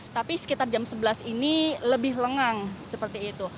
tapi sekitar jam sebelas ini lebih lengang seperti itu